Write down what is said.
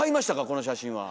この写真は。